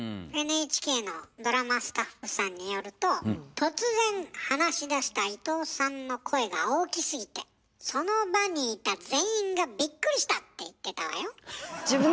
ＮＨＫのドラマスタッフさんによると突然話しだした伊藤さんの声が大きすぎてその場にいた全員がビックリしたって言ってたわよ。